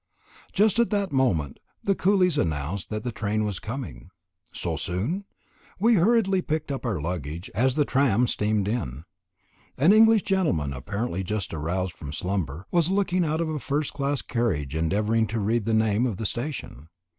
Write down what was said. Just at this moment the coolies announced that the train was coming. So soon? We hurriedly packed up our luggage, as the tram steamed in. An English gentleman, apparently just aroused from slumber, was looking out of a first class carriage endeavouring to read the name of the station.